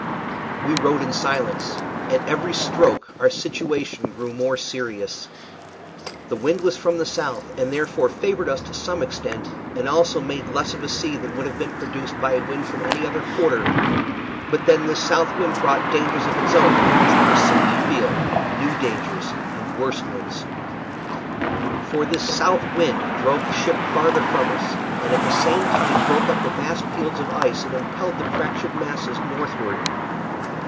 We rowed in silence. At every stroke our situation grew more serious. The wind was from the south, and therefore favored us to some extent, and also made less of a sea than would have been produced by a wind from any other quarter; but then this south wind brought dangers of its own, which we were soon to feel new dangers and worse ones. For this south wind drove the ship farther from us, and at the same time broke up the vast fields of ice and impelled the fractured masses northward.